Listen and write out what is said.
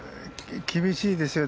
厳しいですよ。